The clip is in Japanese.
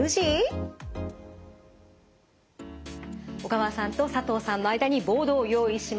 小川さんと佐藤さんの間にボードを用意しました。